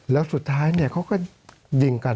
สวัสดีครับทุกคน